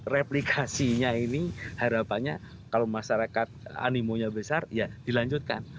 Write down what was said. replikasinya ini harapannya kalau masyarakat animonya besar ya dilanjutkan